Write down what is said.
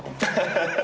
ハハハハ。